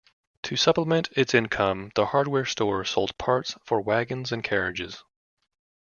To supplement its income, the hardware store sold parts for wagons and carriages.